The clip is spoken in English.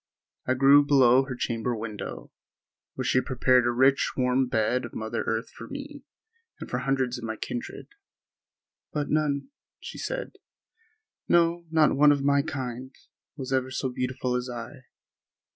I grew below her chamber window, where she had prepared a rich, warm bed of mother earth for me and for hundreds of my kindred. "But none," she said, "no, not one of my kind, was ever so beautiful as I."